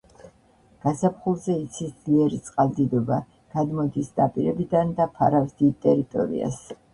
გაზაფხულზე იცის ძლიერი წყალდიდობა, გადმოდის ნაპირებიდან და ფარავს დიდ ტერიტორიას.